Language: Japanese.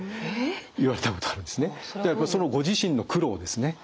そのご自身の苦労ですね